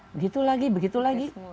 begitu lagi begitu lagi